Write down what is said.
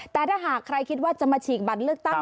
แต่ถ้าหากใครคิดว่าจะมาฉีกบัตรเลือกตั้ง